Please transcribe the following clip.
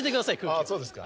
ああそうですか。